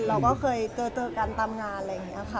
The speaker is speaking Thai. เราก็เคยเจอกันตามงานอะไรอย่างนี้ค่ะ